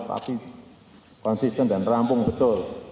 tapi konsisten dan rampung betul